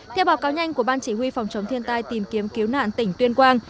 theo báo cáo nhanh của ban chỉ huy phòng chống thiên tai tìm kiếm cứu nạn tỉnh tuyên quang